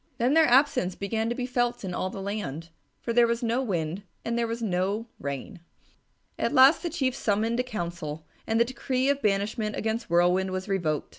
Then their absence began to be felt in all the land, for there was no wind and there was no rain. At last the Chief summoned a council, and the decree of banishment against Whirlwind was revoked.